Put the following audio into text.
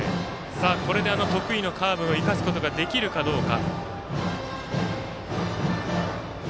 これで得意のカーブを生かすことができるかどうか。